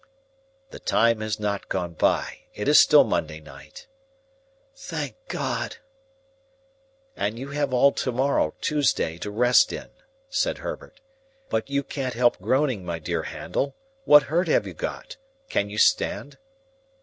"The time has not gone by. It is still Monday night." "Thank God!" "And you have all to morrow, Tuesday, to rest in," said Herbert. "But you can't help groaning, my dear Handel. What hurt have you got? Can you stand?"